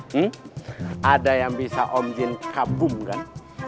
hmm ada yang bisa omzin kabum kan